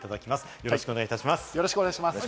よろしくお願いします。